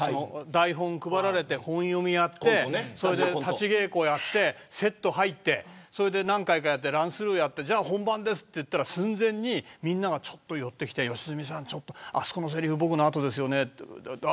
台本配られて本読みやって、立ち稽古やってセット入って何回かやって、ランスルーやってじゃあ本番ですと言った寸前にみんな寄ってきて良純さんあのせりふ僕の後ですよね